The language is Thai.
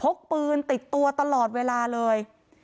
พกปืนติดตัวตลอดเวลาเลย